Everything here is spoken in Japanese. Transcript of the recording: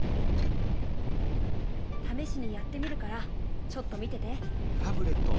試しにやってみるからちょっと見てて。